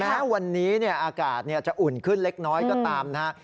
แม้วันนี้อากาศจะอุ่นขึ้นเล็กน้อยก็ตามนะฮะ